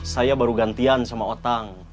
saya baru gantian sama otak